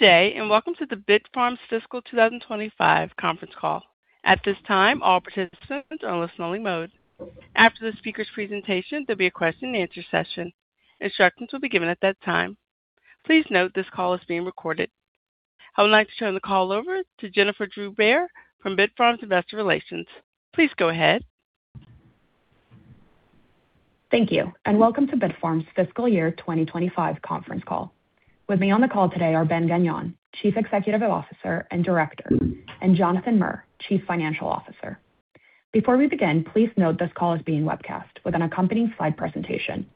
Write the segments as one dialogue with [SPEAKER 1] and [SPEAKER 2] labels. [SPEAKER 1] Good day, and welcome to the Bitfarms' Fiscal 2025 conference call. At this time, all participants are in listen-only mode. After the speaker's presentation, there'll be a question and answer session. Instructions will be given at that time. Please note this call is being recorded. I would like to turn the call over to Jennifer Drew-Bear from Bitfarms Investor Relations. Please go ahead.
[SPEAKER 2] Thank you, and welcome to Bitfarms' Fiscal Year 2025 conference call. With me on the call today are Ben Gagnon, Chief Executive Officer and Director, and Jonathan Mir, Chief Financial Officer. Before we begin, please note this call is being webcast with an accompanying slide presentation.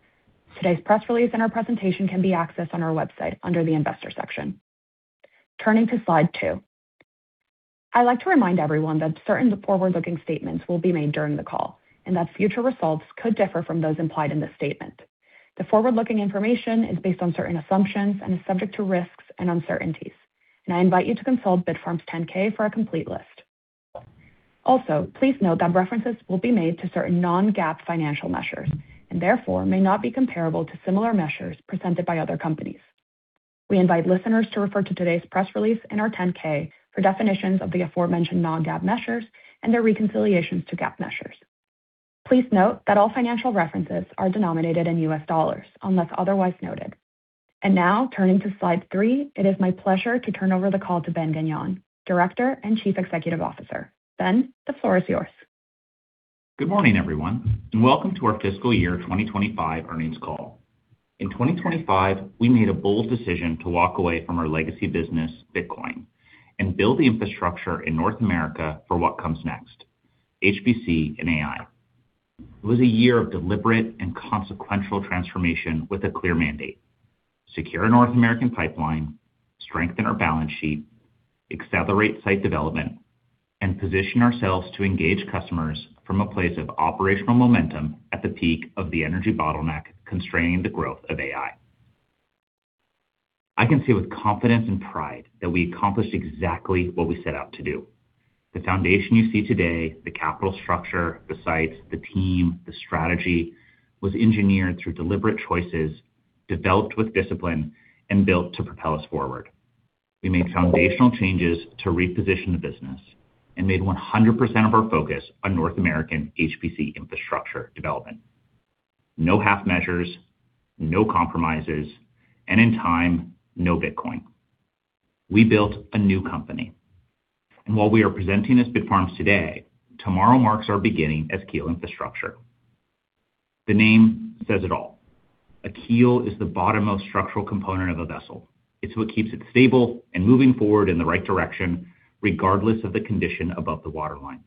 [SPEAKER 2] Today's press release and our presentation can be accessed on our website under the investor section. Turning to slide two. I'd like to remind everyone that certain forward-looking statements will be made during the call, and that future results could differ from those implied in this statement. The forward-looking information is based on certain assumptions and is subject to risks and uncertainties. I invite you to consult Bitfarms' 10-K for a complete list. Also, please note that references will be made to certain non-GAAP financial measures and therefore may not be comparable to similar measures presented by other companies. We invite listeners to refer to today's press release and our 10-K for definitions of the aforementioned non-GAAP measures and their reconciliations to GAAP measures. Please note that all financial references are denominated in U.S. dollars unless otherwise noted. Now turning to slide three, it is my pleasure to turn over the call to Ben Gagnon, Director and Chief Executive Officer. Ben, the floor is yours.
[SPEAKER 3] Good morning, everyone, and welcome to our Fiscal Year 2025 earnings call. In 2025, we made a bold decision to walk away from our legacy business, Bitcoin, and build the infrastructure in North America for what comes next, HPC and AI. It was a year of deliberate and consequential transformation with a clear mandate, secure North American pipeline, strengthen our balance sheet, accelerate site development, and position ourselves to engage customers from a place of operational momentum at the peak of the energy bottleneck constraining the growth of AI. I can say with confidence and pride that we accomplished exactly what we set out to do. The foundation you see today, the capital structure, the sites, the team, the strategy, was engineered through deliberate choices, developed with discipline, and built to propel us forward. We made foundational changes to reposition the business and made 100% of our focus on North American HPC infrastructure development. No half-measures, no compromises, and in time, no Bitcoin. We built a new company, and while we are presenting as Bitfarms today, tomorrow marks our beginning as Keel Infrastructure. The name says it all. A keel is the bottommost structural component of a vessel. It's what keeps it stable and moving forward in the right direction, regardless of the condition above the waterline.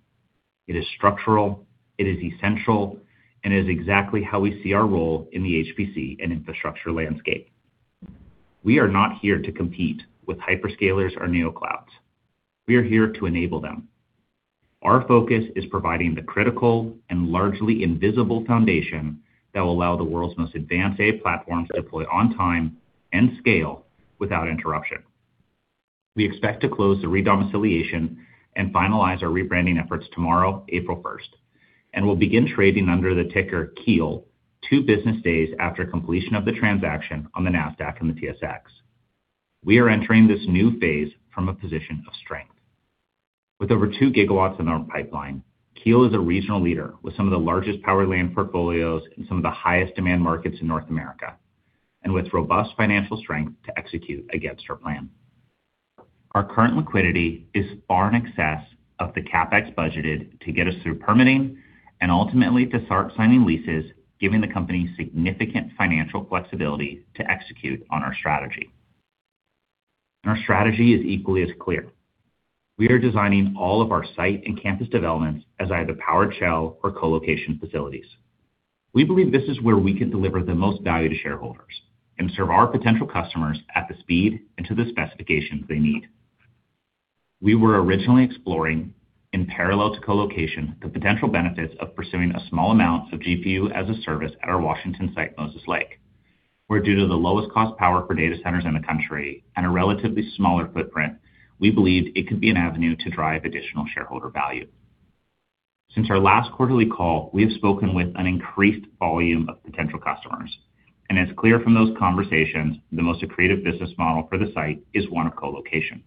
[SPEAKER 3] It is structural, it is essential, and it is exactly how we see our role in the HPC and infrastructure landscape. We are not here to compete with hyperscalers or Neoclouds. We are here to enable them. Our focus is providing the critical and largely invisible foundation that will allow the world's most advanced AI platforms to deploy on time and scale without interruption. We expect to close the re-domiciliation and finalize our rebranding efforts tomorrow, April 1st, and will begin trading under the ticker Keel two business days after completion of the transaction on the Nasdaq and the TSX. We are entering this new phase from a position of strength. With over 2 GW in our pipeline, Keel is a regional leader with some of the largest power land portfolios in some of the highest demand markets in North America, and with robust financial strength to execute against our plan. Our current liquidity is far in excess of the CapEx budgeted to get us through permitting and ultimately to start signing leases, giving the company significant financial flexibility to execute on our strategy. Our strategy is equally as clear. We are designing all of our site and campus developments as either powered shell or colocation facilities. We believe this is where we can deliver the most value to shareholders and serve our potential customers at the speed and to the specifications they need. We were originally exploring, in parallel to colocation, the potential benefits of pursuing a small amount of GPU-as-a-service at our Washington site, Moses Lake, where due to the lowest cost power for data centers in the country and a relatively smaller footprint, we believed it could be an avenue to drive additional shareholder value. Since our last quarterly call, we have spoken with an increased volume of potential customers. It's clear from those conversations, the most accretive business model for the site is one of colocation.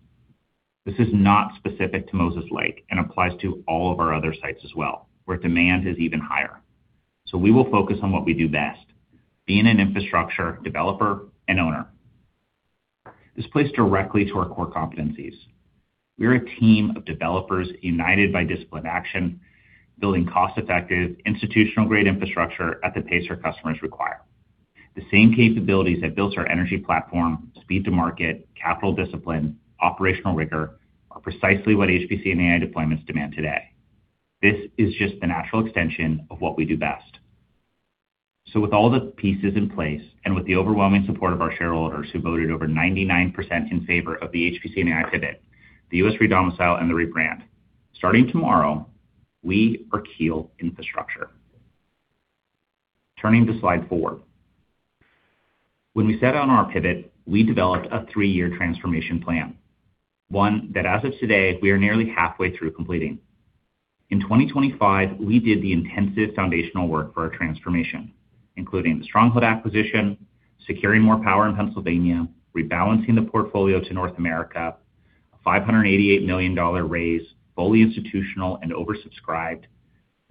[SPEAKER 3] This is not specific to Moses Lake and applies to all of our other sites as well, where demand is even higher. We will focus on what we do best, being an infrastructure developer and owner. This plays directly to our core competencies. We are a team of developers united by disciplined action, building cost-effective, institutional-grade infrastructure at the pace our customers require. The same capabilities that built our energy platform, speed to market, capital discipline, operational rigor, are precisely what HPC and AI deployments demand today. This is just the natural extension of what we do best. With all the pieces in place and with the overwhelming support of our shareholders who voted over 99% in favor of the HPC and AI pivot, the U.S. re-domiciliation, and the rebrand, starting tomorrow, we are Keel Infrastructure. Turning to slide four. When we set out on our pivot, we developed a three-year transformation plan, one that as of today, we are nearly halfway through completing. In 2025, we did the intensive foundational work for our transformation, including the Stronghold acquisition, securing more power in Pennsylvania, rebalancing the portfolio to North America, $588 million raise, fully institutional and oversubscribed,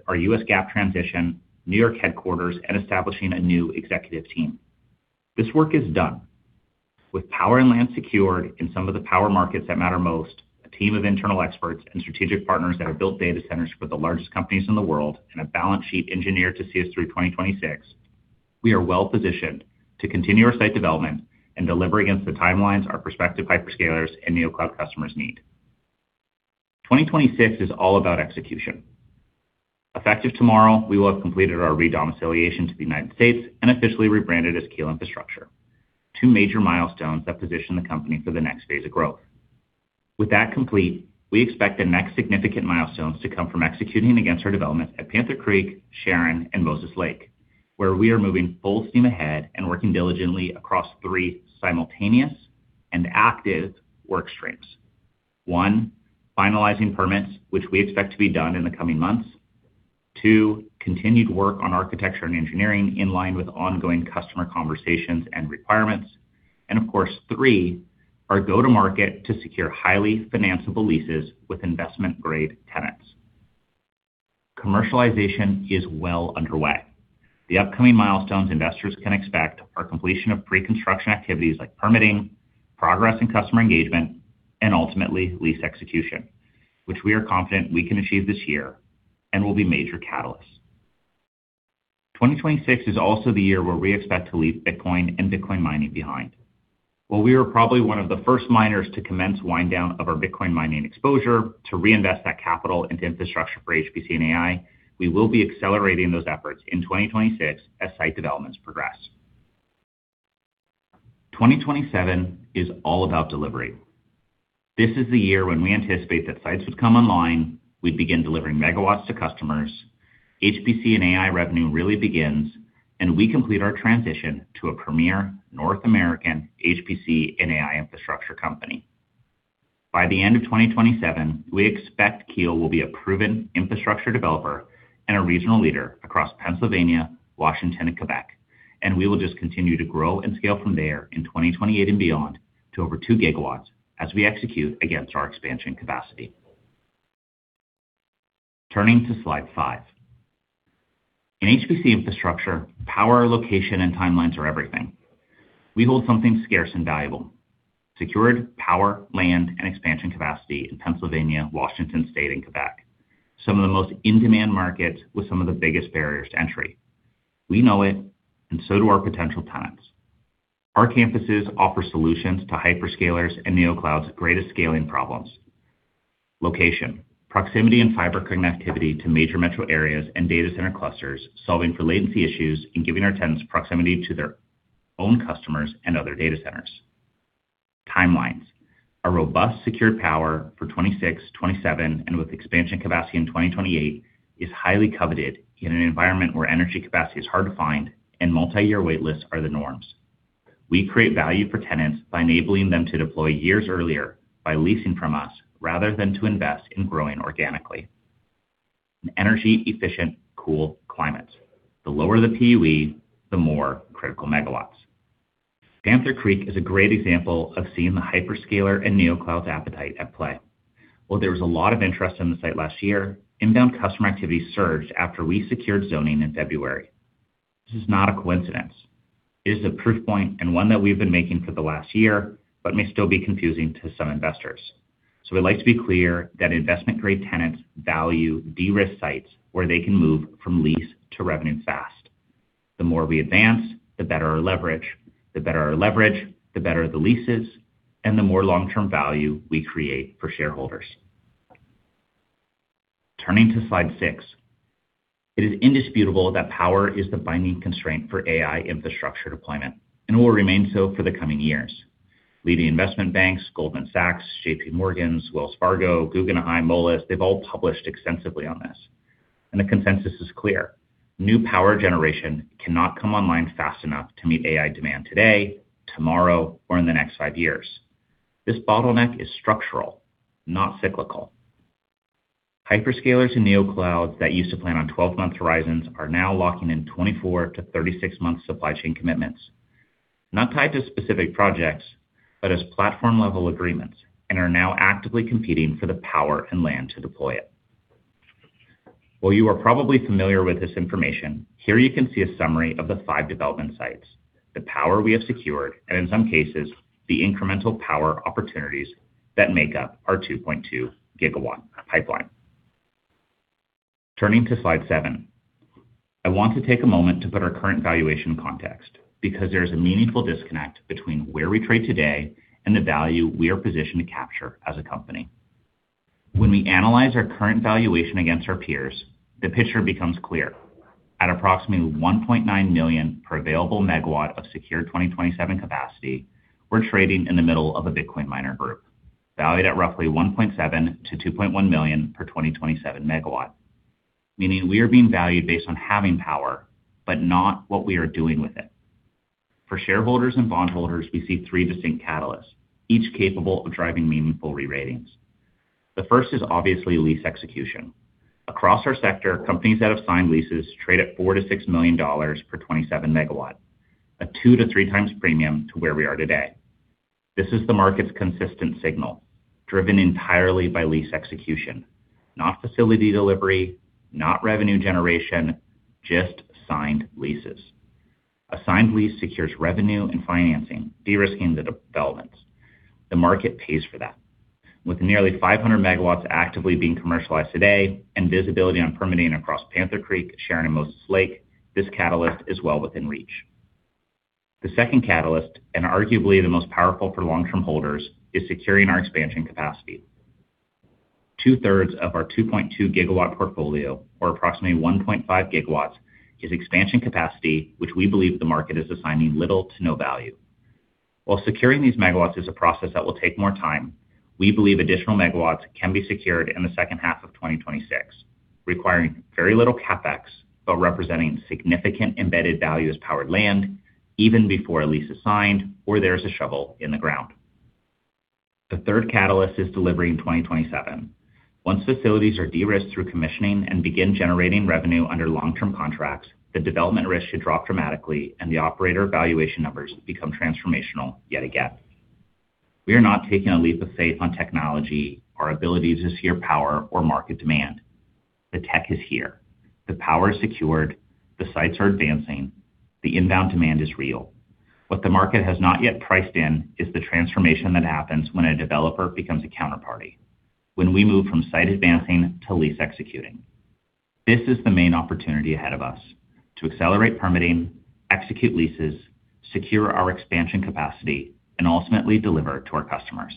[SPEAKER 3] our U.S. GAAP transition, New York headquarters, and establishing a new executive team. This work is done. With power and land secured in some of the power markets that matter most, a team of internal experts and strategic partners that have built data centers for the largest companies in the world, and a balance sheet engineered to see us through 2026. We are well-positioned to continue our site development and deliver against the timelines our prospective hyperscalers and Neocloud customers need. 2026 is all about execution. Effective tomorrow, we will have completed our re-domiciliation to the United States and officially rebranded as Keel Infrastructure. Two major milestones that position the company for the next phase of growth. With that complete, we expect the next significant milestones to come from executing against our development at Panther Creek, Sharon, and Moses Lake, where we are moving full steam ahead and working diligently across three simultaneous and active work streams. One, finalizing permits, which we expect to be done in the coming months. Two, continued work on architecture and engineering in line with ongoing customer conversations and requirements. Of course, three, our go-to-market to secure highly financiable leases with investment-grade tenants. Commercialization is well underway. The upcoming milestones investors can expect are completion of pre-construction activities like permitting, progress in customer engagement, and ultimately lease execution, which we are confident we can achieve this year and will be major catalysts. 2026 is also the year where we expect to leave Bitcoin and Bitcoin mining behind. While we are probably one of the first miners to commence wind down of our Bitcoin mining exposure to reinvest that capital into infrastructure for HPC and AI, we will be accelerating those efforts in 2026 as site developments progress. 2027 is all about delivery. This is the year when we anticipate that sites would come online, we begin delivering megawatts to customers, HPC and AI revenue really begins, and we complete our transition to a premier North American HPC and AI infrastructure company. By the end of 2027, we expect Keel will be a proven infrastructure developer and a regional leader across Pennsylvania, Washington, and Quebec, and we will just continue to grow and scale from there in 2028 and beyond to over 2 GW as we execute against our expansion capacity. Turning to slide five. In HPC infrastructure, power, location, and timelines are everything. We hold something scarce and valuable. Secured power, land, and expansion capacity in Pennsylvania, Washington State, and Quebec. Some of the most in-demand markets with some of the biggest barriers to entry. We know it, and so do our potential tenants. Our campuses offer solutions to hyperscalers and Neoclouds' greatest scaling problems. Location, proximity and fiber connectivity to major metro areas and data center clusters, solving for latency issues and giving our tenants proximity to their own customers and other data centers. Timelines, a robust secured power for 2026, 2027, and with expansion capacity in 2028 is highly coveted in an environment where energy capacity is hard to find and multi-year wait lists are the norms. We create value for tenants by enabling them to deploy years earlier by leasing from us rather than to invest in growing organically. An energy-efficient, cool climates. The lower the PUE, the more critical megawatts. Panther Creek is a great example of seeing the hyperscaler and Neocloud's appetite at play. While there was a lot of interest in the site last year, inbound customer activity surged after we secured zoning in February. This is not a coincidence. It is a proof point and one that we've been making for the last year, but may still be confusing to some investors. We'd like to be clear that investment-grade tenants value de-risk sites where they can move from lease to revenue fast. The more we advance, the better our leverage. The better our leverage, the better the leases, and the more long-term value we create for shareholders. Turning to slide six. It is indisputable that power is the binding constraint for AI infrastructure deployment and will remain so for the coming years. Leading investment banks, Goldman Sachs, JPMorgan, Wells Fargo, Guggenheim, Moelis, they've all published extensively on this. The consensus is clear. New power generation cannot come online fast enough to meet AI demand today, tomorrow, or in the next five years. This bottleneck is structural, not cyclical. Hyperscalers and Neoclouds that used to plan on 12 month horizons are now locking in 24 to 36 month supply chain commitments. Not tied to specific projects, but as platform-level agreements, and are now actively competing for the power and land to deploy it. While you are probably familiar with this information, here you can see a summary of the five development sites, the power we have secured, and in some cases, the incremental power opportunities that make up our 2.2 GW pipeline. Turning to slide seven. I want to take a moment to put our current valuation in context, because there is a meaningful disconnect between where we trade today and the value we are positioned to capture as a company. When we analyze our current valuation against our peers, the picture becomes clear. At approximately $1.9 million per available megawatt of secure 2027 capacity, we're trading in the middle of a Bitcoin miner group, valued at roughly $1.7 million-$2.1 million per 2027 megawatt. Meaning we are being valued based on having power, but not what we are doing with it. For shareholders and bondholders, we see three distinct catalysts, each capable of driving meaningful re-ratings. The first is obviously lease execution. Across our sector, companies that have signed leases trade at $4 million-$6 million per 2027 megawatt. A two to three times premium to where we are today. This is the market's consistent signal, driven entirely by lease execution. Not facility delivery, not revenue generation, just signed leases. A signed lease secures revenue and financing, de-risking the developments. The market pays for that. With nearly 500 MW actively being commercialized today and visibility on permitting across Panther Creek, Sharon, and Moses Lake, this catalyst is well within reach. The second catalyst, and arguably the most powerful for long-term holders, is securing our expansion capacity. Two-thirds of our 2.2 GW portfolio, or approximately 1.5 GW, is expansion capacity, which we believe the market is assigning little to no value. While securing these megawatts is a process that will take more time, we believe additional megawatts can be secured in the second half of 2026, requiring very little CapEx, but representing significant embedded value as powered land even before a lease is signed or there's a shovel in the ground. The third catalyst is delivering in 2027. Once facilities are de-risked through commissioning and begin generating revenue under long-term contracts, the development risk should drop dramatically and the operator valuation numbers become transformational yet again. We are not taking a leap of faith on technology, our ability to steer power or market demand. The tech is here. The power is secured. The sites are advancing. The inbound demand is real. What the market has not yet priced in is the transformation that happens when a developer becomes a counterparty when we move from site advancing to lease executing. This is the main opportunity ahead of us to accelerate permitting, execute leases, secure our expansion capacity, and ultimately deliver to our customers.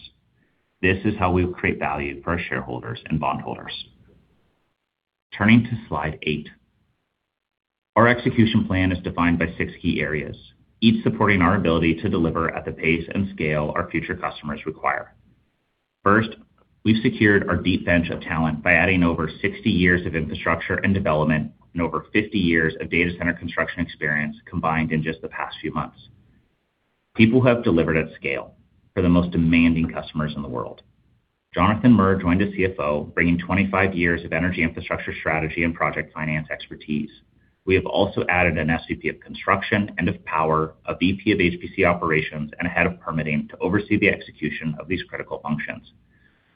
[SPEAKER 3] This is how we will create value for our shareholders and bondholders. Turning to slide eight. Our execution plan is defined by six key areas, each supporting our ability to deliver at the pace and scale our future customers require. First, we've secured our deep bench of talent by adding over 60 years of infrastructure and development and over 50 years of data center construction experience combined in just the past few months. People who have delivered at scale for the most demanding customers in the world. Jonathan Mir joined as CFO, bringing 25 years of energy infrastructure strategy and project finance expertise. We have also added an SVP of construction and of power, a VP of HPC operations, and a head of permitting to oversee the execution of these critical functions.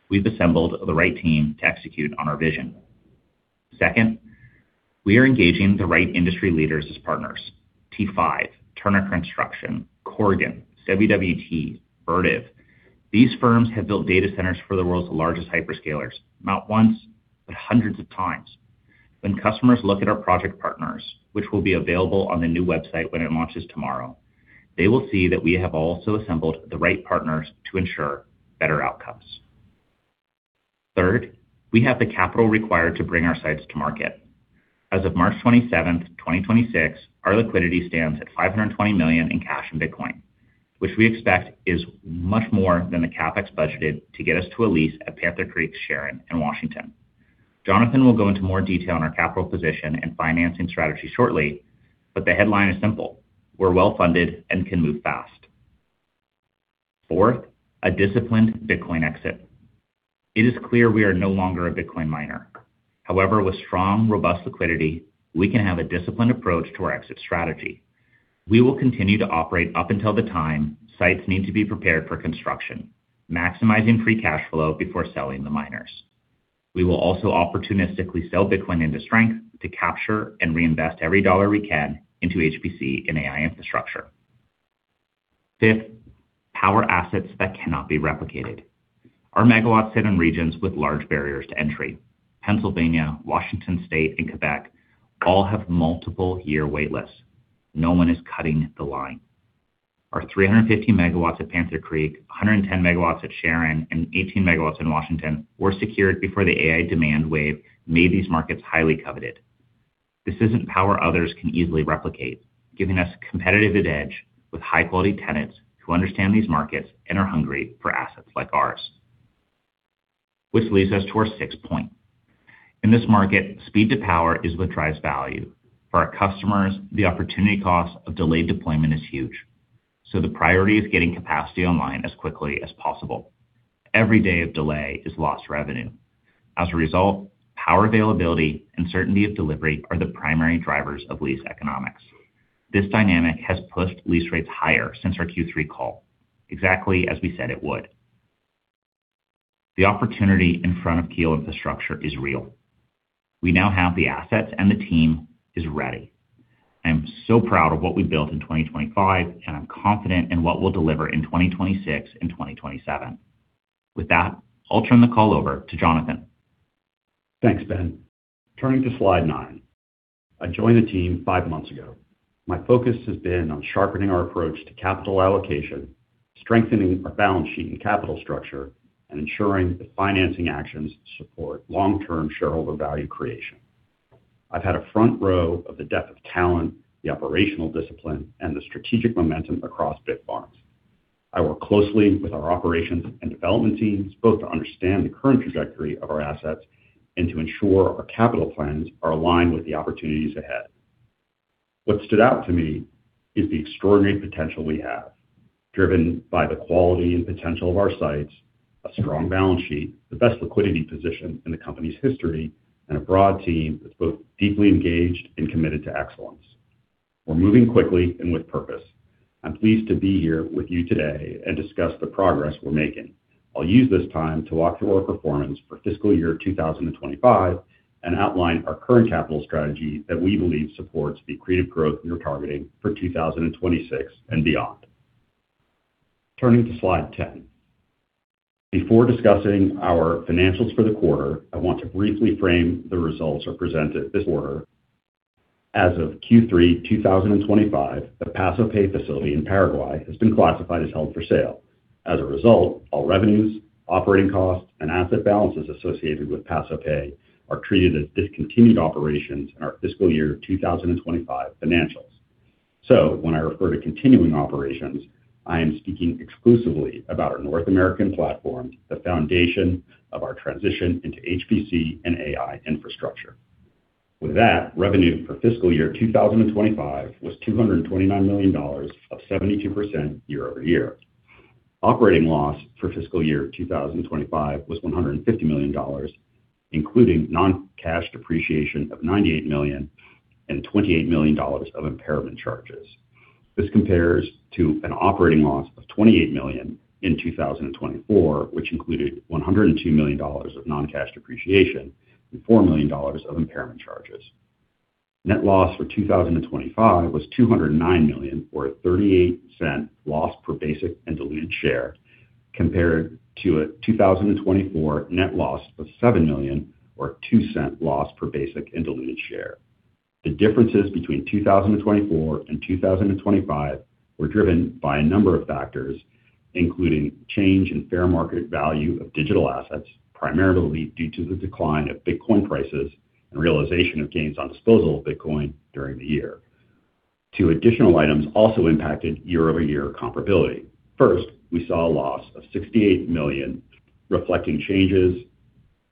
[SPEAKER 3] We've assembled the right team to execute on our vision. Second, we are engaging the right industry leaders as partners. T5, Turner Construction, Corgan, CWT, Vertiv. These firms have built data centers for the world's largest hyperscalers, not once, but hundreds of times. When customers look at our project partners, which will be available on the new website when it launches tomorrow, they will see that we have also assembled the right partners to ensure better outcomes. Third, we have the capital required to bring our sites to market. As of March 27th, 2026, our liquidity stands at $520 million in cash and Bitcoin, which we expect is much more than the CapEx budgeted to get us to a lease at Panther Creek, Sharon, and Washington. Jonathan will go into more detail on our capital position and financing strategy shortly, but the headline is simple. We're well-funded and can move fast. Fourth, a disciplined Bitcoin exit. It is clear we are no longer a Bitcoin miner. However, with strong, robust liquidity, we can have a disciplined approach to our exit strategy. We will continue to operate up until the time sites need to be prepared for construction, maximizing free cash flow before selling the miners. We will also opportunistically sell Bitcoin into strength to capture and reinvest every dollar we can into HPC and AI infrastructure. Fifth, power assets that cannot be replicated. Our megawatts sit in regions with large barriers to entry. Pennsylvania, Washington State, and Quebec all have multi-year wait lists. No one is cutting the line. Our 350 MW at Panther Creek, 110 MW at Sharon, and 18 MW in Washington were secured before the AI demand wave made these markets highly coveted. This isn't power others can easily replicate, giving us a competitive edge with high-quality tenants who understand these markets and are hungry for assets like ours. Which leads us to our sixth point. In this market, speed to power is what drives value. For our customers, the opportunity cost of delayed deployment is huge, so the priority is getting capacity online as quickly as possible. Every day of delay is lost revenue. As a result, power availability and certainty of delivery are the primary drivers of lease economics. This dynamic has pushed lease rates higher since our Q3 call, exactly as we said it would. The opportunity in front of Keel Infrastructure is real. We now have the assets and the team is ready. I am so proud of what we built in 2025, and I'm confident in what we'll deliver in 2026 and 2027. With that, I'll turn the call over to Jonathan.
[SPEAKER 4] Thanks, Ben. Turning to slide nine. I joined the team five months ago. My focus has been on sharpening our approach to capital allocation, strengthening our balance sheet and capital structure, and ensuring the financing actions support long-term shareholder value creation. I've had a front row of the depth of talent, the operational discipline, and the strategic momentum across Bitfarms. I work closely with our operations and development teams, both to understand the current trajectory of our assets and to ensure our capital plans are aligned with the opportunities ahead. What stood out to me is the extraordinary potential we have, driven by the quality and potential of our sites, a strong balance sheet, the best liquidity position in the company's history, and a broad team that's both deeply engaged and committed to excellence. We're moving quickly and with purpose. I'm pleased to be here with you today and discuss the progress we're making. I'll use this time to walk through our performance for fiscal year 2025 and outline our current capital strategy that we believe supports the accretive growth we are targeting for 2026 and beyond. Turning to slide 10. Before discussing our financials for the quarter, I want to briefly frame the results are presented this quarter. As of Q3 2025, the Paso Pe facility in Paraguay has been classified as held for sale. As a result, all revenues, operating costs, and asset balances associated with Paso Pe are treated as discontinued operations in our fiscal year 2025 financials. When I refer to continuing operations, I am speaking exclusively about our North American platform, the foundation of our transition into HPC and AI infrastructure. With that, revenue for fiscal year 2025 was $229 million, up 72% year-over-year. Operating loss for fiscal year 2025 was $150 million, including non-cash depreciation of $98 million and $28 million of impairment charges. This compares to an operating loss of $28 million in 2024, which included $102 million of non-cash depreciation and $4 million of impairment charges. Net loss for 2025 was $209 million, or $0.38 loss per basic and diluted share, compared to a 2024 net loss of $7 million or $0.02 loss per basic and diluted share. The differences between 2024 and 2025 were driven by a number of factors, including change in fair market value of digital assets, primarily due to the decline of Bitcoin prices and realization of gains on disposal of Bitcoin during the year. Two additional items also impacted year-over-year comparability. First, we saw a loss of $68 million, reflecting changes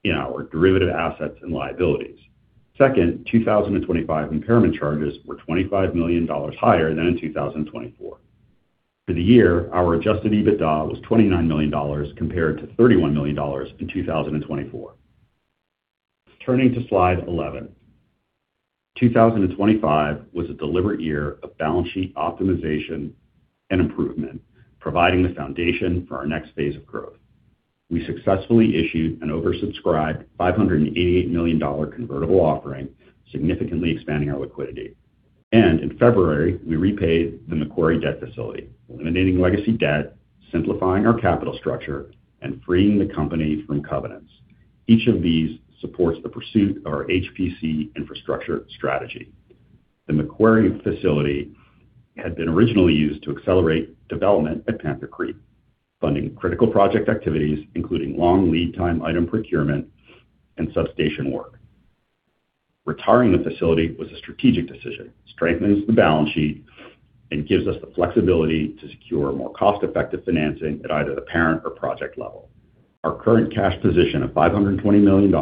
[SPEAKER 4] in our derivative assets and liabilities. Second, 2025 impairment charges were $25 million higher than in 2024. For the year, our adjusted EBITDA was $29 million compared to $31 million in 2024. Turning to slide 11. 2025 was a deliberate year of balance sheet optimization and improvement, providing the foundation for our next phase of growth. We successfully issued an oversubscribed $588 million convertible offering, significantly expanding our liquidity. In February, we repaid the Macquarie debt facility, eliminating legacy debt, simplifying our capital structure and freeing the company from covenants. Each of these supports the pursuit of our HPC infrastructure strategy. The Macquarie facility had been originally used to accelerate development at Panther Creek, funding critical project activities, including long lead time item procurement and substation work. Retiring the facility was a strategic decision, strengthens the balance sheet and gives us the flexibility to secure more cost-effective financing at either the parent or project level. Our current cash position of $520 million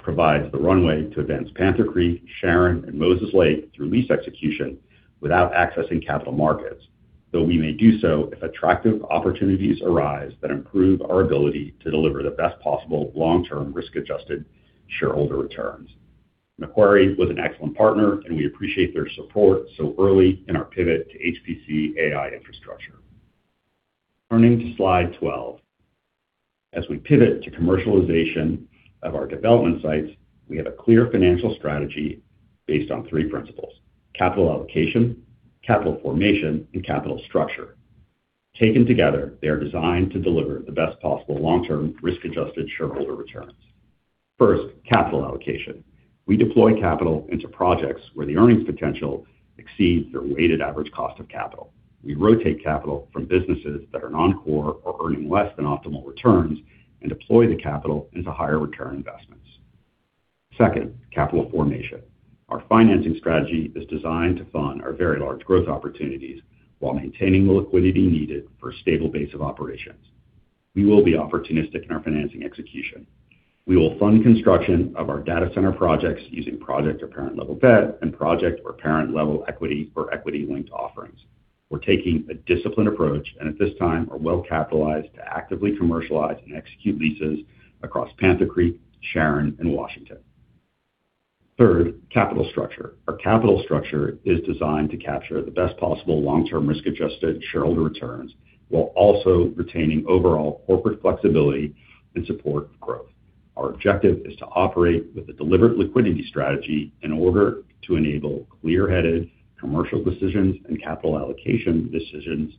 [SPEAKER 4] provides the runway to advance Panther Creek, Sharon and Moses Lake through lease execution without accessing capital markets, though we may do so if attractive opportunities arise that improve our ability to deliver the best possible long-term risk-adjusted shareholder returns. Macquarie was an excellent partner, and we appreciate their support so early in our pivot to HPC AI infrastructure. Turning to slide 12. As we pivot to commercialization of our development sites, we have a clear financial strategy based on three principles: capital allocation, capital formation, and capital structure. Taken together, they are designed to deliver the best possible long-term risk-adjusted shareholder returns. First, capital allocation. We deploy capital into projects where the earnings potential exceeds their weighted average cost of capital. We rotate capital from businesses that are non-core or earning less than optimal returns and deploy the capital into higher return investments. Second, capital formation. Our financing strategy is designed to fund our very large growth opportunities while maintaining the liquidity needed for a stable base of operations. We will be opportunistic in our financing execution. We will fund construction of our data center projects using project or parent level debt and project or parent level equity or equity-linked offerings. We're taking a disciplined approach and at this time are well capitalized to actively commercialize and execute leases across Panther Creek, Sharon and Washington. Third, capital structure. Our capital structure is designed to capture the best possible long-term risk-adjusted shareholder returns while also retaining overall corporate flexibility and support of growth. Our objective is to operate with a deliberate liquidity strategy in order to enable clear-headed commercial decisions and capital allocation decisions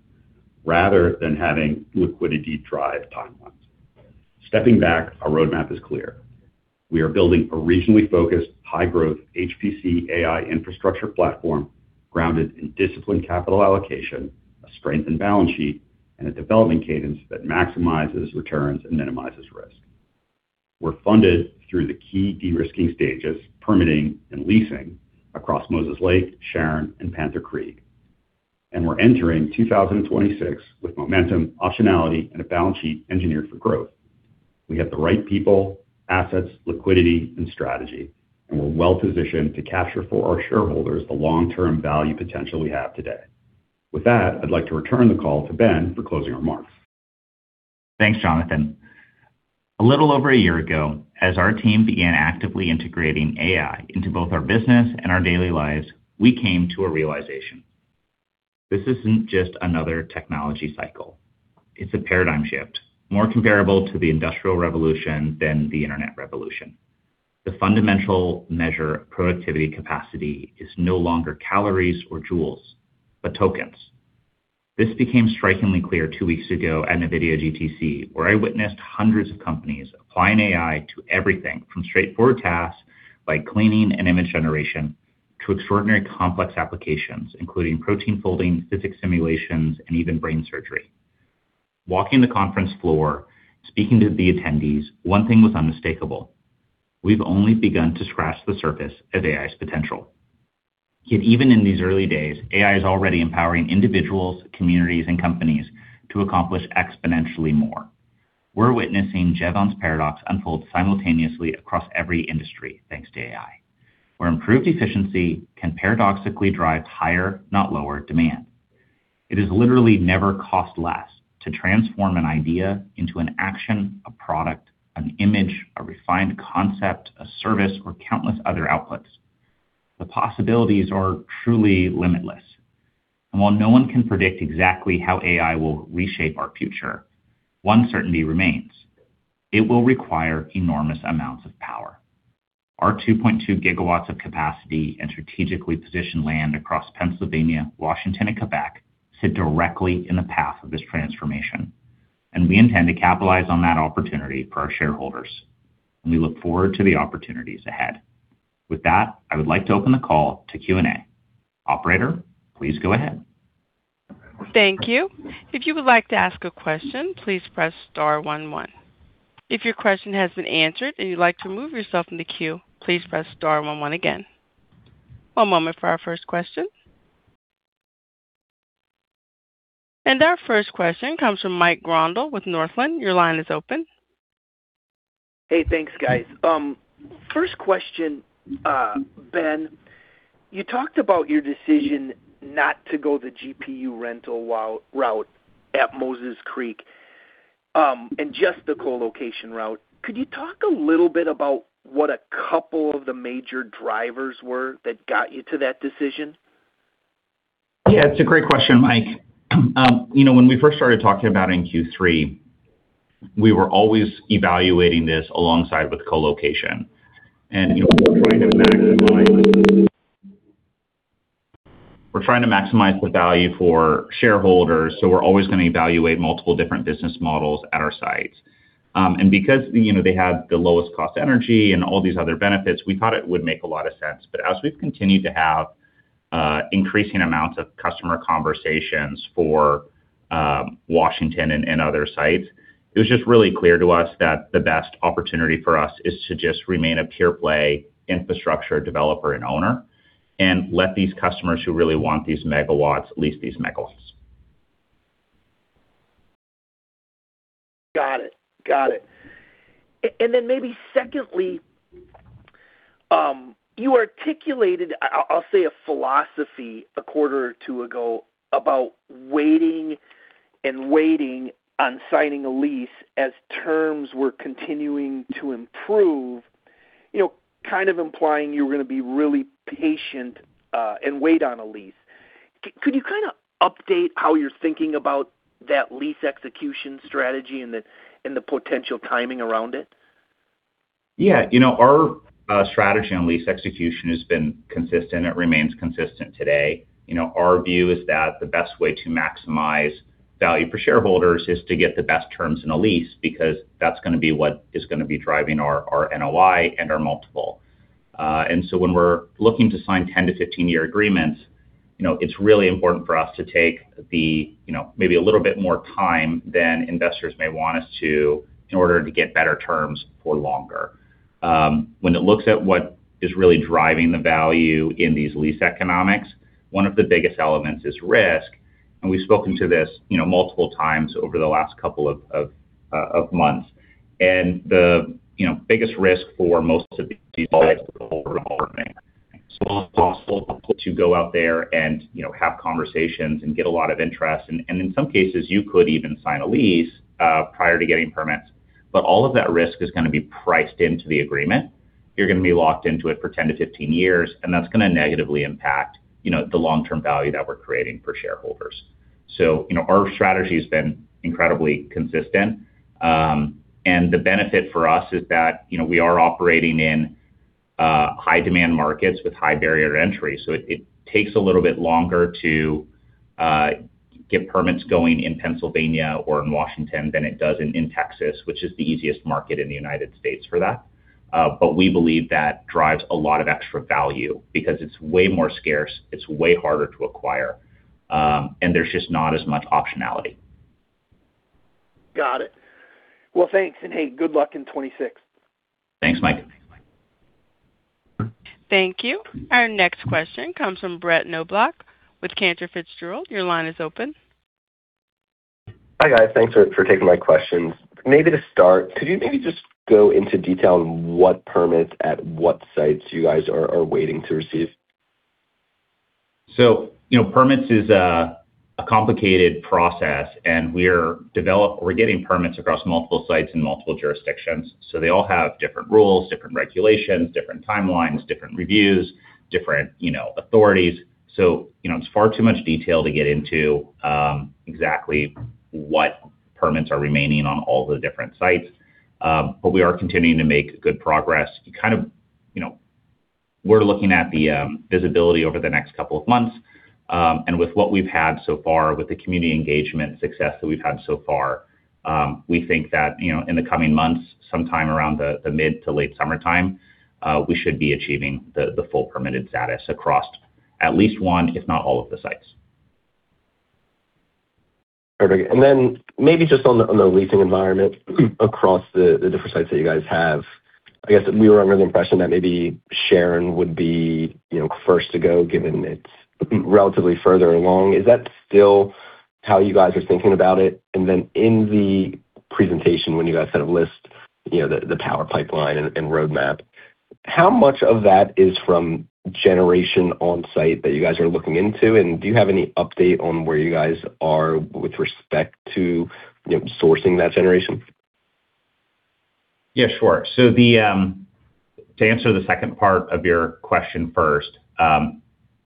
[SPEAKER 4] rather than having liquidity drive timelines. Stepping back, our roadmap is clear. We are building a regionally focused, high growth HPC AI infrastructure platform grounded in disciplined capital allocation, a strengthened balance sheet, and a development cadence that maximizes returns and minimizes risk. We're funded through the key de-risking stages, permitting and leasing across Moses Lake, Sharon, and Panther Creek. We're entering 2026 with momentum, optionality, and a balance sheet engineered for growth. We have the right people, assets, liquidity, and strategy, and we're well-positioned to capture for our shareholders the long-term value potential we have today. With that, I'd like to return the call to Ben for closing remarks.
[SPEAKER 3] Thanks, Jonathan. A little over a year ago, as our team began actively integrating AI into both our business and our daily lives, we came to a realization. This isn't just another technology cycle. It's a paradigm shift, more comparable to the Industrial Revolution than the Internet revolution. The fundamental measure of productivity capacity is no longer calories or joules, but tokens. This became strikingly clear two weeks ago at NVIDIA GTC, where I witnessed hundreds of companies applying AI to everything from straightforward tasks like cleaning and image generation to extraordinary complex applications, including protein folding, physics simulations, and even brain surgery. Walking the conference floor, speaking to the attendees, one thing was unmistakable: We've only begun to scratch the surface of AI's potential. Yet even in these early days, AI is already empowering individuals, communities, and companies to accomplish exponentially more. We're witnessing Jevons paradox unfold simultaneously across every industry, thanks to AI, where improved efficiency can paradoxically drive higher, not lower, demand. It has literally never cost less to transform an idea into an action, a product, an image, a refined concept, a service, or countless other outputs. The possibilities are truly limitless. While no one can predict exactly how AI will reshape our future, one certainty remains. It will require enormous amounts of power. Our 2.2 GW of capacity and strategically positioned land across Pennsylvania, Washington, and Quebec sit directly in the path of this transformation, and we intend to capitalize on that opportunity for our shareholders, and we look forward to the opportunities ahead. With that, I would like to open the call to Q&A. Operator, please go ahead.
[SPEAKER 1] Thank you. One moment for our first question. Our first question comes from Mike Grondahl with Northland. Your line is open.
[SPEAKER 5] Hey, thanks, guys. First question, Ben. You talked about your decision not to go the GPU rental route at Moses Lake, and just the colocation route. Could you talk a little bit about what a couple of the major drivers were that got you to that decision?
[SPEAKER 3] Yeah, it's a great question, Mike. You know, when we first started talking about in Q3, we were always evaluating this alongside with colocation. You know, we're trying to maximize the value for shareholders, so we're always going to evaluate multiple different business models at our sites. Because, you know, they have the lowest cost energy and all these other benefits, we thought it would make a lot of sense. As we've continued to have increasing amounts of customer conversations for Washington and other sites, it was just really clear to us that the best opportunity for us is to just remain a pure play infrastructure developer and owner and let these customers who really want these megawatts lease these megawatts.
[SPEAKER 5] Got it. Maybe secondly, you articulated, I'll say, a philosophy a quarter or two ago about waiting on signing a lease as terms were continuing to improve, you know, kind of implying you were gonna be really patient and wait on a lease. Could you kind of update how you're thinking about that lease execution strategy and the potential timing around it?
[SPEAKER 3] Yeah. You know, our strategy on lease execution has been consistent. It remains consistent today. You know, our view is that the best way to maximize value for shareholders is to get the best terms in a lease, because that's gonna be what is gonna be driving our NOI and our multiple. When we're looking to sign 10 to 15 year agreements, you know, it's really important for us to take the, you know, maybe a little bit more time than investors may want us to in order to get better terms for longer. When it looks at what is really driving the value in these lease economics, one of the biggest elements is risk. We've spoken to this, you know, multiple times over the last couple of months. The you know biggest risk for most of these sites is. It's possible to go out there and, you know, have conversations and get a lot of interest. In some cases, you could even sign a lease prior to getting permits. All of that risk is gonna be priced into the agreement. You're gonna be locked into it for 10-15 years, and that's gonna negatively impact, you know, the long-term value that we're creating for shareholders. Our strategy has been incredibly consistent. The benefit for us is that, you know, we are operating in high-demand markets with high barrier entry, so it takes a little bit longer to get permits going in Pennsylvania or in Washington than it does in Texas, which is the easiest market in the United States for that. We believe that drives a lot of extra value because it's way more scarce, it's way harder to acquire, and there's just not as much optionality.
[SPEAKER 5] Got it. Well, thanks. Hey, good luck in 2026.
[SPEAKER 3] Thanks, Mike.
[SPEAKER 1] Thank you. Our next question comes from Brett Knoblauch with Cantor Fitzgerald. Your line is open.
[SPEAKER 6] Hi, guys. Thanks for taking my questions. Maybe to start, could you maybe just go into detail on what permits at what sites you guys are waiting to receive?
[SPEAKER 3] You know, permits is a complicated process, and we're getting permits across multiple sites in multiple jurisdictions. They all have different rules, different regulations, different timelines, different reviews, different, you know, authorities. You know, it's far too much detail to get into exactly what permits are remaining on all the different sites. We are continuing to make good progress. Kind of, you know, we're looking at the visibility over the next couple of months, and with what we've had so far with the community engagement success that we've had so far, we think that, you know, in the coming months, sometime around the mid to late summertime, we should be achieving the full permitted status across at least one, if not all of the sites.
[SPEAKER 6] Perfect. Maybe just on the leasing environment across the different sites that you guys have. I guess we were under the impression that maybe Sharon would be, you know, first to go, given it's relatively further along. Is that still how you guys are thinking about it? In the presentation, when you guys kind of list, you know, the power pipeline and roadmap, how much of that is from generation on site that you guys are looking into? Do you have any update on where you guys are with respect to, you know, sourcing that generation?
[SPEAKER 3] Yeah, sure. To answer the second part of your question first,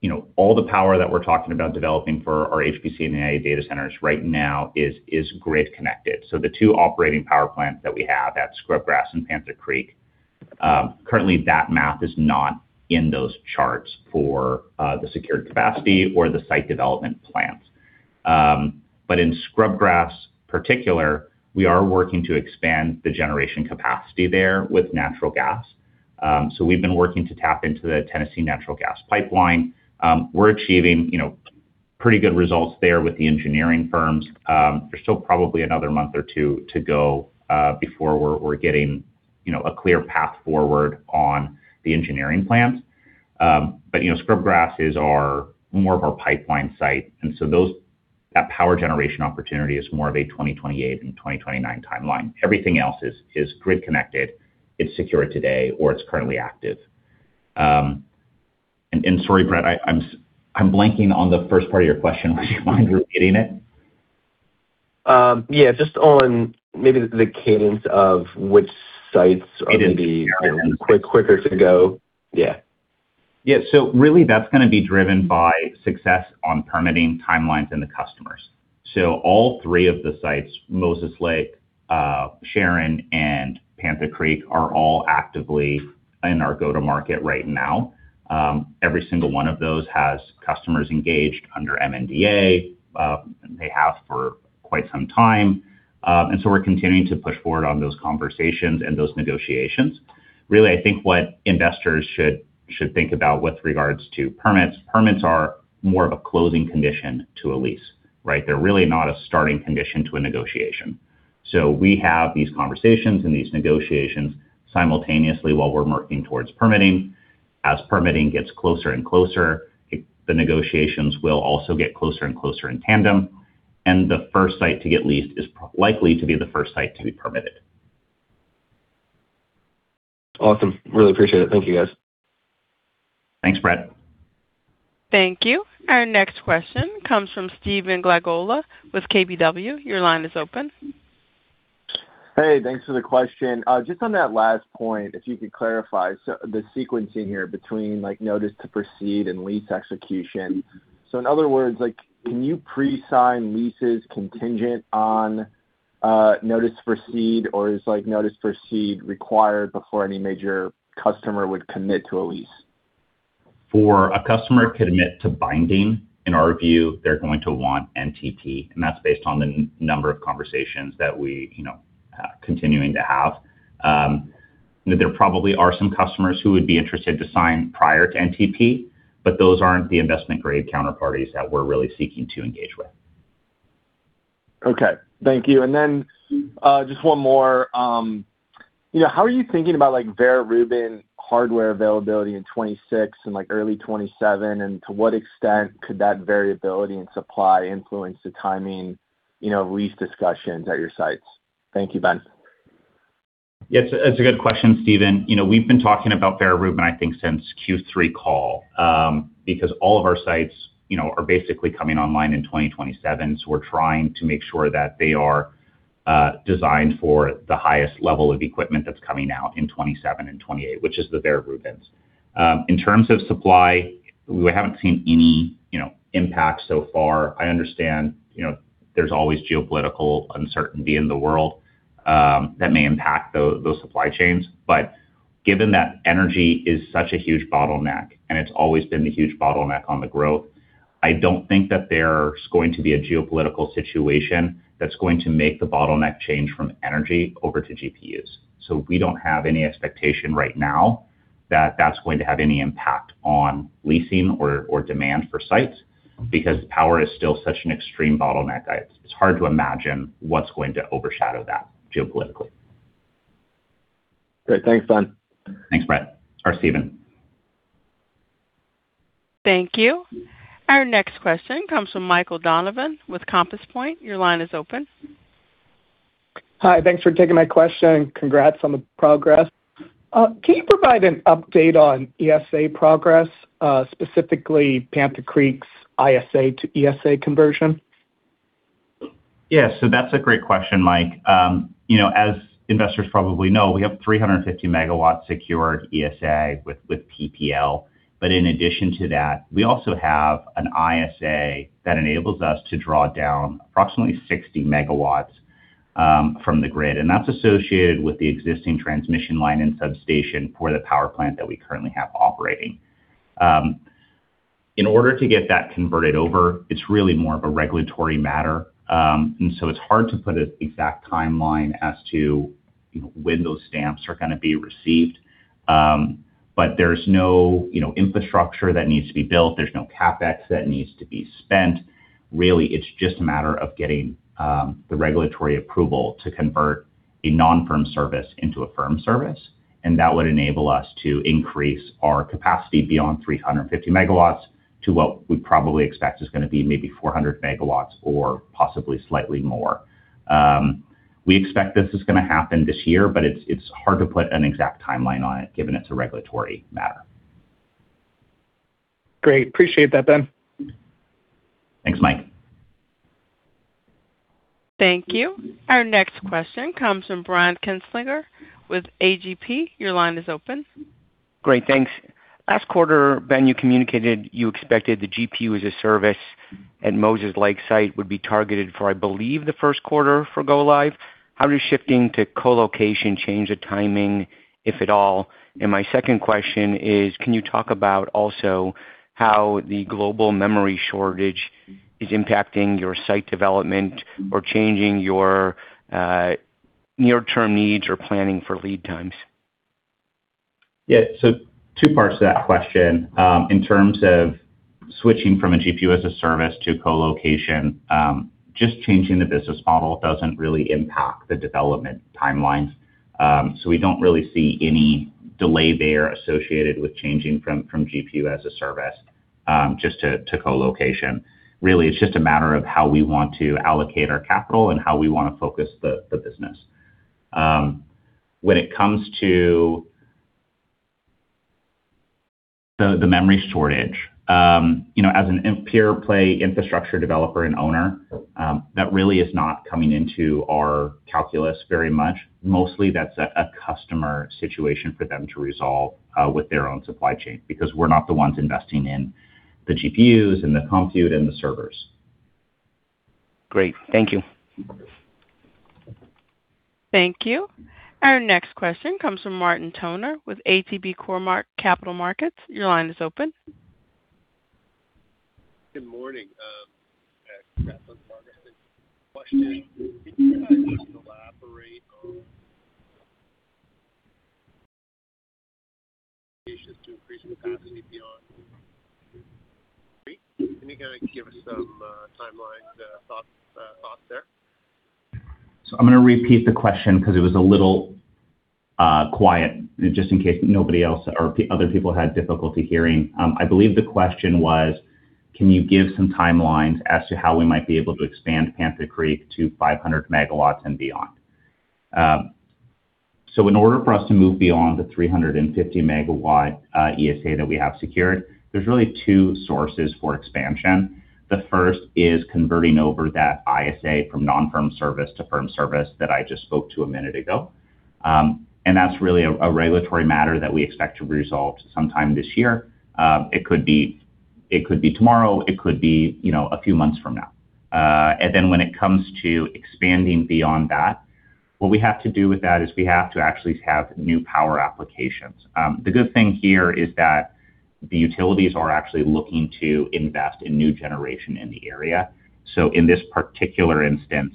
[SPEAKER 3] you know, all the power that we're talking about developing for our HPC and AI data centers right now is grid connected. The two operating power plants that we have at Scrubgrass and Panther Creek currently that math is not in those charts for the secured capacity or the site development plans. But in Scrubgrass particular, we are working to expand the generation capacity there with natural gas. We've been working to tap into the Tennessee Natural Gas Pipeline. We're achieving, you know, pretty good results there with the engineering firms. There's still probably another month or two to go before we're getting, you know, a clear path forward on the engineering plans. You know, Scrubgrass is more of our pipeline site, and so that power generation opportunity is more of a 2028 and 2029 timeline. Everything else is grid connected, it's secured today, or it's currently active. Sorry, Brett, I'm blanking on the first part of your question. Would you mind repeating it?
[SPEAKER 6] Yeah, just on maybe the cadence of which sites are maybe quicker to go. Yeah.
[SPEAKER 3] Yeah. Really that's gonna be driven by success on permitting timelines and the customers. All three of the sites, Moses Lake, Sharon, and Panther Creek, are all actively in our go-to-market right now. Every single one of those has customers engaged under MNDA, and they have for quite some time. We're continuing to push forward on those conversations and those negotiations. Really, I think what investors should think about with regards to permits are more of a closing condition to a lease, right? They're really not a starting condition to a negotiation. We have these conversations and these negotiations simultaneously while we're working towards permitting. As permitting gets closer and closer, the negotiations will also get closer and closer in tandem, and the first site to get leased is likely to be the first site to be permitted.
[SPEAKER 6] Awesome. Really appreciate it. Thank you, guys.
[SPEAKER 3] Thanks, Brett.
[SPEAKER 1] Thank you. Our next question comes from Stephen Glagola with KBW. Your line is open.
[SPEAKER 7] Hey, thanks for the question. Just on that last point, if you could clarify the sequencing here between like notice to proceed and lease execution. In other words, like, can you pre-sign leases contingent on notice to proceed, or is like notice to proceed required before any major customer would commit to a lease?
[SPEAKER 3] For a customer to commit to binding, in our view, they're going to want NTP, and that's based on the number of conversations that we, you know, continuing to have. There probably are some customers who would be interested to sign prior to NTP, but those aren't the investment-grade counterparties that we're really seeking to engage with.
[SPEAKER 7] Okay. Thank you. Just one more. You know, how are you thinking about like Vera Rubin hardware availability in 2026 and like early 2027, and to what extent could that variability in supply influence the timing, you know, lease discussions at your sites? Thank you, Ben.
[SPEAKER 3] Yeah, it's a good question, Stephen. You know, we've been talking about Vera Rubin, I think, since Q3 call, because all of our sites, you know, are basically coming online in 2027, so we're trying to make sure that they are designed for the highest level of equipment that's coming out in 2027 and 2028, which is the Vera Rubins. In terms of supply, we haven't seen any, you know, impact so far. I understand, you know, there's always geopolitical uncertainty in the world that may impact those supply chains. But given that energy is such a huge bottleneck, and it's always been the huge bottleneck on the growth. I don't think that there's going to be a geopolitical situation that's going to make the bottleneck change from energy over to GPUs. We don't have any expectation right now that that's going to have any impact on leasing or demand for sites because power is still such an extreme bottleneck. It's hard to imagine what's going to overshadow that geopolitically.
[SPEAKER 7] Great. Thanks, Ben.
[SPEAKER 3] Thanks, Stephen.
[SPEAKER 1] Thank you. Our next question comes from Michael Donovan with Compass Point. Your line is open.
[SPEAKER 8] Hi. Thanks for taking my question, and congrats on the progress. Can you provide an update on ESA progress, specifically Panther Creek's ISA to ESA conversion?
[SPEAKER 3] Yeah. That's a great question, Mike. You know, as investors probably know, we have 350 MW secured ESA with PPL. In addition to that, we also have an ISA that enables us to draw down approximately 60 MW from the grid, and that's associated with the existing transmission line and substation for the power plant that we currently have operating. In order to get that converted over, it's really more of a regulatory matter. It's hard to put an exact timeline as to, you know, when those stamps are gonna be received. There's no, you know, infrastructure that needs to be built. There's no CapEx that needs to be spent. Really, it's just a matter of getting the regulatory approval to convert a non-firm service into a firm service, and that would enable us to increase our capacity beyond 350 MW to what we probably expect is gonna be maybe 400 MW or possibly slightly more. We expect this is gonna happen this year, but it's hard to put an exact timeline on it given it's a regulatory matter.
[SPEAKER 8] Great. Appreciate that, Ben.
[SPEAKER 3] Thanks, Mike.
[SPEAKER 1] Thank you. Our next question comes from Brian Kinstlinger with A.G.P. Your line is open.
[SPEAKER 9] Great. Thanks. Last quarter, Ben, you communicated you expected the GPU as a service at Moses Lake site would be targeted for, I believe, the first quarter for go live. How does shifting to colocation change the timing, if at all? And my second question is, can you talk about also how the global memory shortage is impacting your site development or changing your near-term needs or planning for lead times?
[SPEAKER 3] Yeah. Two parts to that question. In terms of switching from a GPU as a service to colocation, just changing the business model doesn't really impact the development timelines. We don't really see any delay there associated with changing from GPU as a service just to colocation. Really, it's just a matter of how we want to allocate our capital and how we wanna focus the business. When it comes to the memory shortage, you know, as a pure play infrastructure developer and owner, that really is not coming into our calculus very much. Mostly that's a customer situation for them to resolve with their own supply chain because we're not the ones investing in the GPUs and the compute and the servers.
[SPEAKER 9] Great. Thank you.
[SPEAKER 1] Thank you. Our next question comes from Martin Toner with ATB Capital Markets. Your line is open.
[SPEAKER 10] Good morning.
[SPEAKER 3] Yeah.
[SPEAKER 10] Question. Can you guys elaborate on to increase capacity beyond. Can you kinda give us some timelines, thoughts there?
[SPEAKER 3] I'm gonna repeat the question 'cause it was a little quiet, just in case nobody else or other people had difficulty hearing. I believe the question was, can you give some timelines as to how we might be able to expand Panther Creek to 500 MW and beyond? In order for us to move beyond the 350 MW ESA that we have secured, there's really two sources for expansion. The first is converting over that ISA from non-firm service to firm service that I just spoke to a minute ago. That's really a regulatory matter that we expect to resolve sometime this year. It could be tomorrow, you know, a few months from now. When it comes to expanding beyond that, what we have to do with that is we have to actually have new power applications. The good thing here is that the utilities are actually looking to invest in new generation in the area. In this particular instance,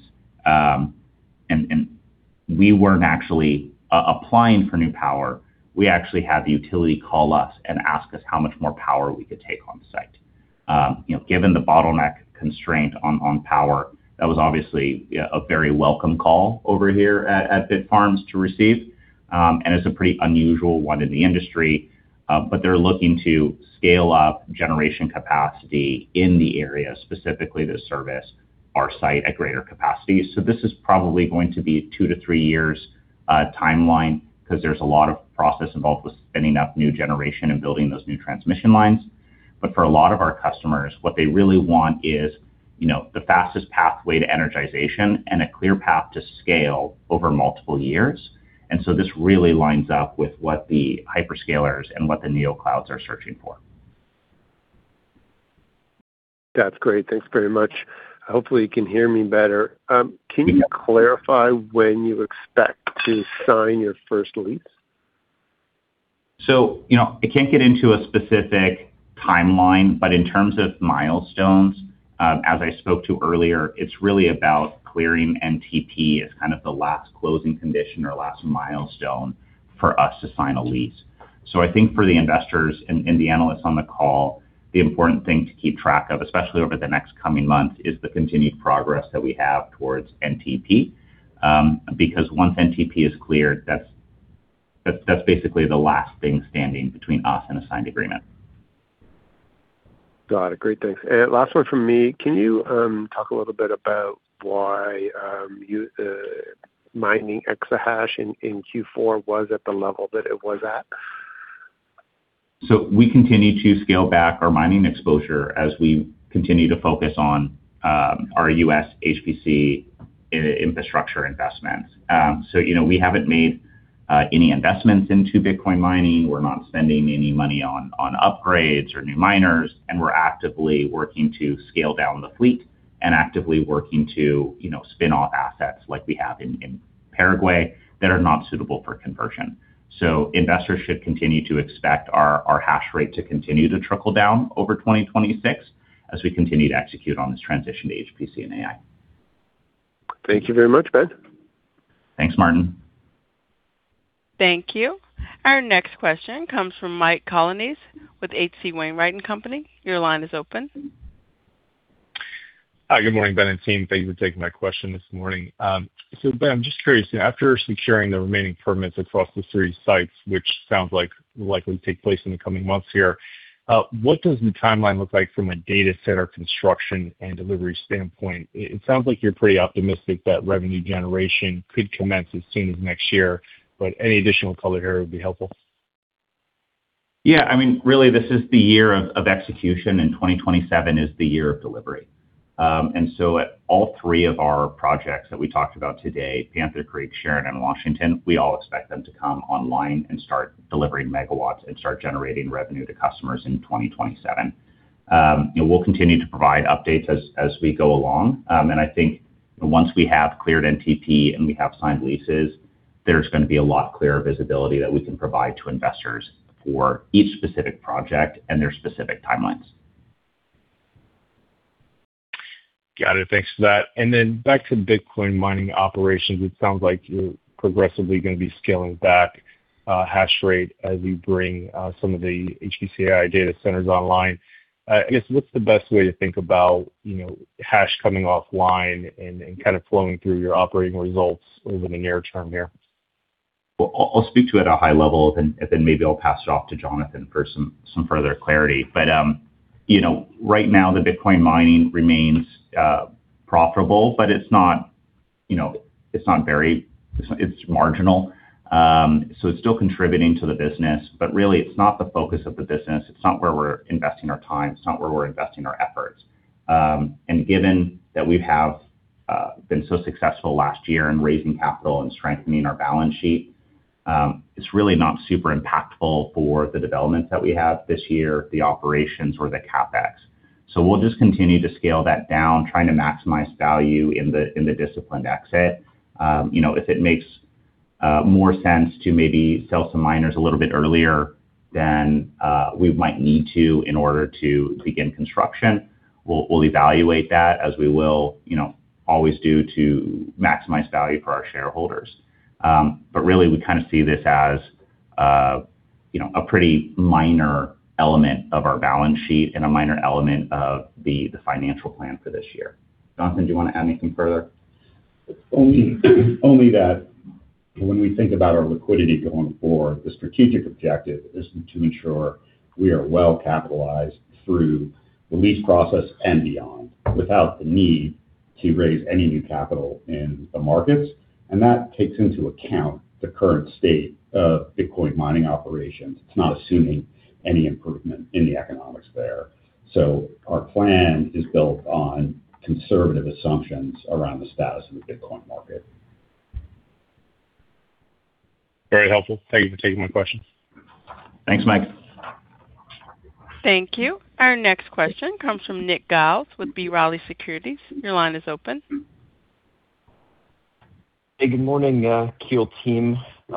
[SPEAKER 3] we weren't actually applying for new power. We actually had the utility call us and ask us how much more power we could take on site. You know, given the bottleneck constraint on power, that was obviously a very welcome call over here at Bitfarms to receive. It's a pretty unusual one in the industry. They're looking to scale up generation capacity in the area, specifically to service our site at greater capacity. This is probably going to be two to three years timeline 'cause there's a lot of process involved with spinning up new generation and building those new transmission lines. For a lot of our customers, what they really want is, you know, the fastest pathway to energization and a clear path to scale over multiple years. This really lines up with what the hyperscalers and what the Neoclouds are searching for.
[SPEAKER 10] That's great. Thanks very much. Hopefully, you can hear me better. Can you clarify when you expect to sign your first lease?
[SPEAKER 3] You know, I can't get into a specific timeline, but in terms of milestones, as I spoke to earlier, it's really about clearing NTP as kind of the last closing condition or last milestone for us to sign a lease. I think for the investors and the analysts on the call, the important thing to keep track of, especially over the next coming months, is the continued progress that we have towards NTP. Because once NTP is cleared, that's basically the last thing standing between us and a signed agreement.
[SPEAKER 10] Got it. Great. Thanks. Last one from me. Can you talk a little bit about why your mining exahash in Q4 was at the level that it was at?
[SPEAKER 3] We continue to scale back our mining exposure as we continue to focus on our U.S. HPC infrastructure investments. You know, we haven't made any investments into Bitcoin mining. We're not spending any money on upgrades or new miners, and we're actively working to scale down the fleet and actively working to spin off assets like we have in Paraguay that are not suitable for conversion. Investors should continue to expect our hash rate to continue to trickle down over 2026 as we continue to execute on this transition to HPC and AI.
[SPEAKER 10] Thank you very much, Ben.
[SPEAKER 3] Thanks, Martin.
[SPEAKER 1] Thank you. Our next question comes from Mike Colonnese with H.C. Wainwright & Co. Your line is open.
[SPEAKER 11] Hi. Good morning, Ben and team. Thank you for taking my question this morning. Ben, I'm just curious, after securing the remaining permits across the three sites, which sounds like will likely take place in the coming months here, what does the timeline look like from a data center construction and delivery standpoint? It sounds like you're pretty optimistic that revenue generation could commence as soon as next year, but any additional color here would be helpful.
[SPEAKER 3] Yeah, I mean, really this is the year of execution, and 2027 is the year of delivery. At all three of our projects that we talked about today, Panther Creek, Sharon and Washington, we all expect them to come online and start delivering megawatts and start generating revenue to customers in 2027. We'll continue to provide updates as we go along. I think once we have cleared NTP and we have signed leases, there's gonna be a lot clearer visibility that we can provide to investors for each specific project and their specific timelines.
[SPEAKER 11] Got it. Thanks for that. Back to Bitcoin mining operations. It sounds like you're progressively gonna be scaling back hash rate as you bring some of the HPC AI data centers online. I guess what's the best way to think about, you know, hash coming offline and kind of flowing through your operating results within the near term here?
[SPEAKER 3] Well, I'll speak to it at a high level then, and then maybe I'll pass it off to Jonathan for some further clarity. You know, right now the Bitcoin mining remains profitable, but it's not very. It's marginal. It's still contributing to the business, but really it's not the focus of the business. It's not where we're investing our time. It's not where we're investing our efforts. Given that we have been so successful last year in raising capital and strengthening our balance sheet, it's really not super impactful for the developments that we have this year, the operations or the CapEx. We'll just continue to scale that down, trying to maximize value in the disciplined exit. You know, if it makes more sense to maybe sell some miners a little bit earlier than we might need to in order to begin construction, we'll evaluate that as we will, you know, always do to maximize value for our shareholders. Really we kind of see this as, you know, a pretty minor element of our balance sheet and a minor element of the financial plan for this year. Jonathan, do you wanna add anything further?
[SPEAKER 4] Only that when we think about our liquidity going forward, the strategic objective is to ensure we are well capitalized through the lease process and beyond, without the need to raise any new capital in the markets. That takes into account the current state of Bitcoin mining operations. It's not assuming any improvement in the economics there. Our plan is built on conservative assumptions around the status of the Bitcoin market.
[SPEAKER 11] Very helpful. Thank you for taking my questions.
[SPEAKER 3] Thanks, Mike.
[SPEAKER 1] Thank you. Our next question comes from Nick Giles with B. Riley Securities. Your line is open.
[SPEAKER 12] Hey, good morning, Keel team. You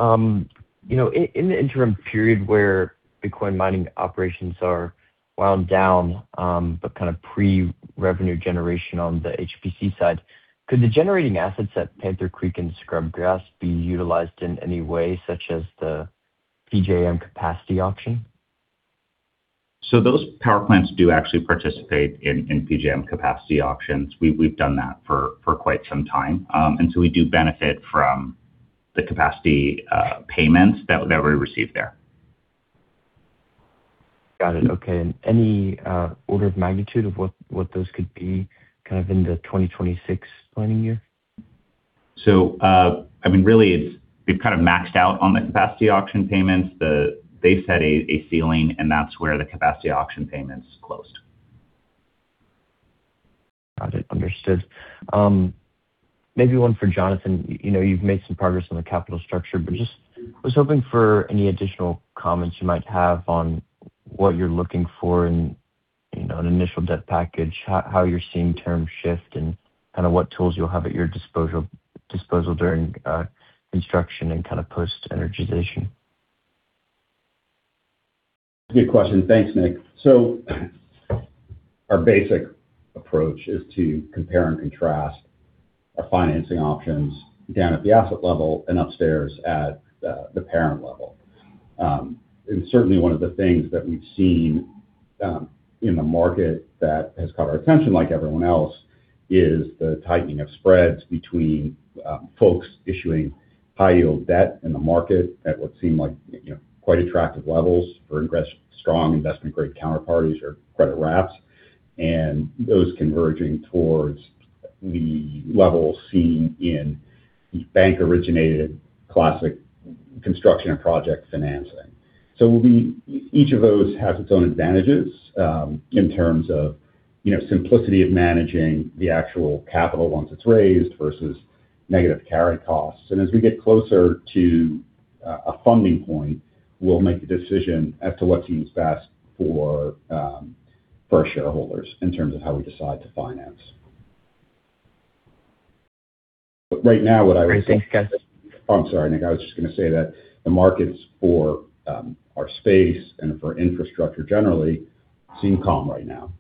[SPEAKER 12] know, in the interim period where Bitcoin mining operations are wound down, but kind of pre-revenue generation on the HPC side, could the generating assets at Panther Creek and Scrubgrass be utilized in any way, such as the PJM capacity auction?
[SPEAKER 3] Those power plants do actually participate in PJM capacity auctions. We've done that for quite some time. We do benefit from the capacity payments that we receive there.
[SPEAKER 12] Got it. Okay. Any order of magnitude of what those could be kind of in the 2026 planning year?
[SPEAKER 3] I mean, really, we've kind of maxed out on the capacity auction payments. They set a ceiling, and that's where the capacity auction payments closed.
[SPEAKER 12] Got it. Understood. Maybe one for Jonathan. You know, you've made some progress on the capital structure, but just was hoping for any additional comments you might have on what you're looking for in you know, an initial debt package, how you're seeing terms shift and kinda what tools you'll have at your disposal during construction and kinda post-energization.
[SPEAKER 4] Good question. Thanks, Nick. Our basic approach is to compare and contrast our financing options down at the asset level and upstairs at the parent level. Certainly one of the things that we've seen in the market that has caught our attention like everyone else is the tightening of spreads between folks issuing high-yield debt in the market at what seem like you know quite attractive levels for strong investment grade counterparties or credit wraps. Those converging towards the level seen in the bank-originated classic construction and project financing. Each of those has its own advantages in terms of you know simplicity of managing the actual capital once it's raised versus negative carry costs. As we get closer to a funding point, we'll make a decision as to what seems best for our shareholders in terms of how we decide to finance. Right now what I would say
[SPEAKER 12] Great. Thanks, guys.
[SPEAKER 4] Oh, I'm sorry, Nick. I was just gonna say that the markets for our space and for infrastructure generally seem calm right now.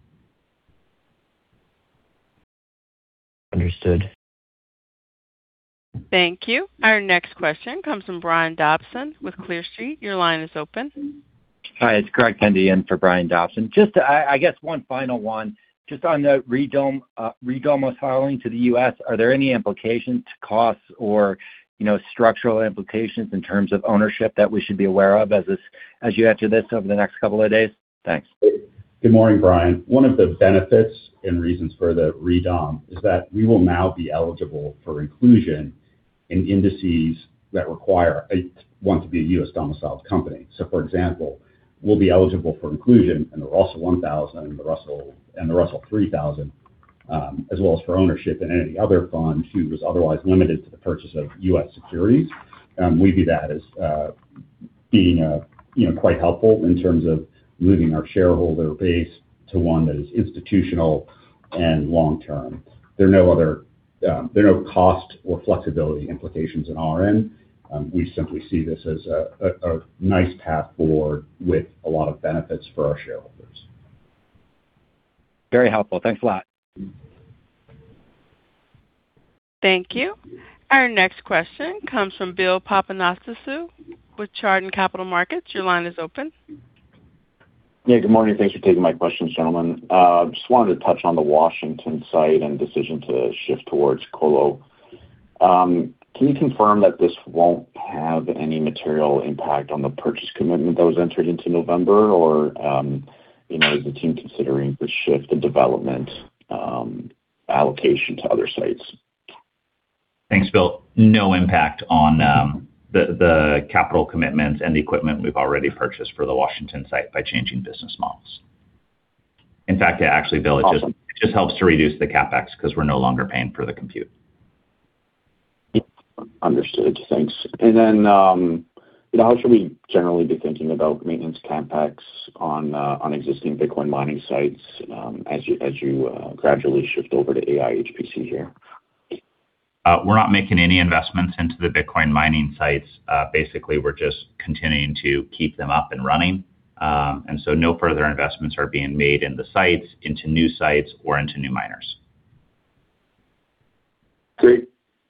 [SPEAKER 12] Understood.
[SPEAKER 1] Thank you. Our next question comes from Brian Dobson with Clear Street. Your line is open.
[SPEAKER 13] Hi, it's Craig Kendy in for Brian Dobson. I guess one final one. Just on the re-domiciliation filing to the U.S., are there any implications to costs or, you know, structural implications in terms of ownership that we should be aware of as you enter this over the next couple of days? Thanks.
[SPEAKER 4] Good morning, Brian. One of the benefits and reasons for the redom is that we will now be eligible for inclusion in indices that require one to be a U.S.-domiciled company. For example, we'll be eligible for inclusion in the Russell 1000 and the Russell 3000, as well as for ownership in any other fund who was otherwise limited to the purchase of U.S. securities. We view that as being, you know, quite helpful in terms of moving our shareholder base to one that is institutional and long term. There are no cost or flexibility implications on our end. We simply see this as a nice path forward with a lot of benefits for our shareholders.
[SPEAKER 13] Very helpful. Thanks a lot.
[SPEAKER 1] Thank you. Our next question comes from Bill Papanastasiou with Chardan Capital Markets. Your line is open.
[SPEAKER 14] Yeah, good morning. Thanks for taking my questions, gentlemen. Just wanted to touch on the Washington site and decision to shift towards colo. Can you confirm that this won't have any material impact on the purchase commitment that was entered into November? Or, you know, is the team considering the shift in development, allocation to other sites?
[SPEAKER 3] Thanks, Bill. No impact on the capital commitments and the equipment we've already purchased for the Washington site by changing business models. In fact, yeah, actually, Bill.
[SPEAKER 14] Awesome.
[SPEAKER 3] It just helps to reduce the CapEx 'cause we're no longer paying for the compute.
[SPEAKER 14] Understood. Thanks. How should we generally be thinking about maintenance CapEx on existing Bitcoin mining sites as you gradually shift over to AI HPC here?
[SPEAKER 3] We're not making any investments into the Bitcoin mining sites. Basically, we're just continuing to keep them up and running. No further investments are being made in the sites, into new sites, or into new miners.
[SPEAKER 14] Great.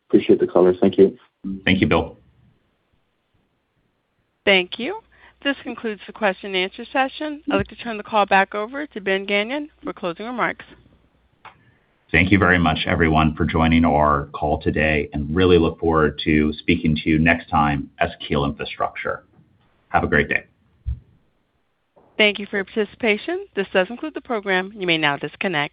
[SPEAKER 14] Appreciate the color. Thank you.
[SPEAKER 3] Thank you, Bill.
[SPEAKER 1] Thank you. This concludes the question and answer session. I'd like to turn the call back over to Ben Gagnon for closing remarks.
[SPEAKER 3] Thank you very much, everyone, for joining our call today, and really look forward to speaking to you next time as Keel Infrastructure. Have a great day.
[SPEAKER 1] Thank you for your participation. This does conclude the program. You may now disconnect.